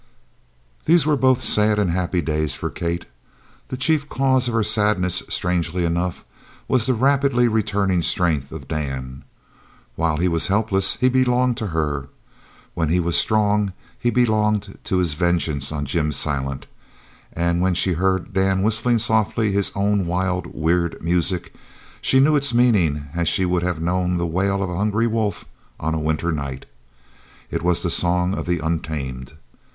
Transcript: These were both sad and happy days for Kate. The chief cause of her sadness, strangely enough, was the rapidly returning strength of Dan. While he was helpless he belonged to her. When he was strong he belonged to his vengeance on Jim Silent; and when she heard Dan whistling softly his own wild, weird music, she knew its meaning as she would have known the wail of a hungry wolf on a winter night. It was the song of the untamed.